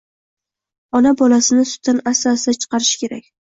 Ona bolasini sutdan asta-asta chiqarishi kerak.